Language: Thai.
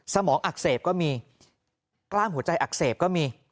สมองอักเสบก็มีกล้ามหัวใจอักเสบก็มี